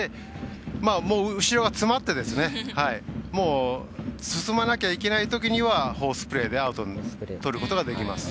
後ろが詰まって進まなきゃいけないときにはフォースプレーでアウトをとることができます。